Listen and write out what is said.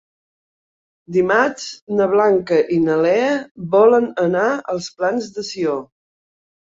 Dimarts na Blanca i na Lea volen anar als Plans de Sió.